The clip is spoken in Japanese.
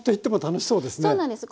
そうなんです。